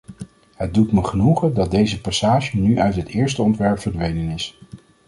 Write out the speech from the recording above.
Het doet me genoegen dat deze passage nu uit het eerste ontwerp verdwenen is.